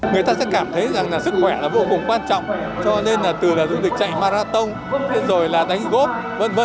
người ta sẽ cảm thấy rằng sức khỏe là vô cùng quan trọng cho nên từ là du lịch chạy marathon đến rồi là đánh góp v v